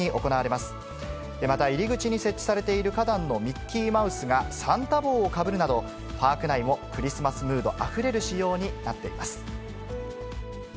また入り口に設置されている花壇のミッキーマウスがサンタ帽をかぶるなど、パーク内もクリスマスムードあふれる仕様になっています。